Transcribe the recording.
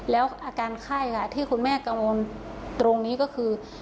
แล้วอาการไข้ค่ะที่คุณแม่กังวลตรงนี้ก็คือ